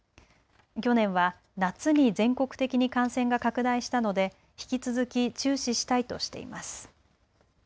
去年は夏に全国的に感染が拡大したので引き続き注視したいとしています。